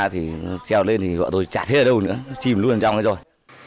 thì treo lên thì bọn tôi chả thấy ở đâu nữa chìm luôn trong đó rồi